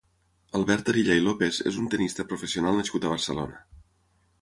Albert Arilla i López és un tennista professional nascut a Barcelona.